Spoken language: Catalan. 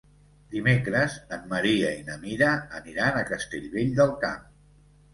Dimecres en Maria i na Mira aniran a Castellvell del Camp.